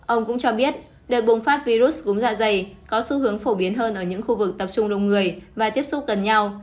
ông cũng cho biết đợt bùng phát virus cúm dạ dày có xu hướng phổ biến hơn ở những khu vực tập trung đông người và tiếp xúc gần nhau